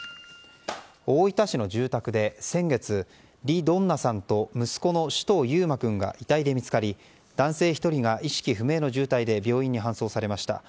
大分市の住宅で先月リ・ドンナさんと息子の首藤佑馬君が遺体で見つかり男性１人が意識不明の重体で病院に搬送されました。